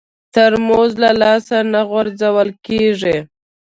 ترموز له لاسه نه غورځول کېږي.